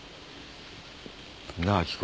なあ明子。